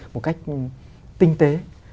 một cách tinh tế